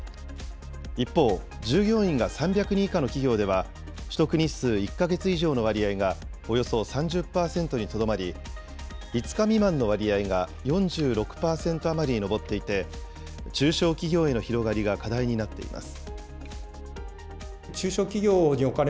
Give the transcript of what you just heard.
一方、従業員が３００人以下の企業では、取得日数１か月以上の割合が、およそ３０％にとどまり、５日未満の割合が４６％余りに上っていて、中小企業への広がりが課題になっています。